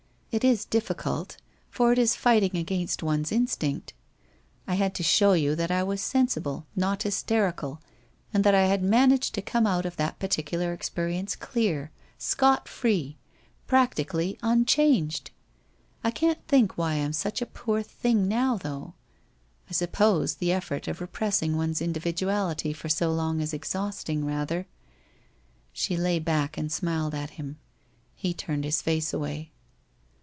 It is difficult, for it is fighting against one's instinct. I had to show you that I was sensi ble, not hysterical, and that I had managed to come out of that particular experience clear, scot free, practically unchanged! I can't think why I am such a poor thing now, though. I suppose the effort of repressing one's indi viduality for so long is exhausting, rather ' She lay back, and smiled at him. He turned his face away.